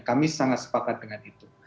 kami sangat sepakat dengan itu